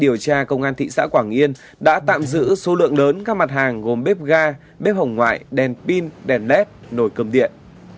cơ quan cảnh sát điều tra công an thị xã quảng yên đã tạm giữ số lượng lớn các mặt hàng gồm bếp ga bếp hồng ngoại đèn pin đèn led nồi cơm điện